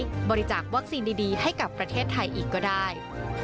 บริจาควัคซีนดีให้กับประเทศไทยอีกก็ได้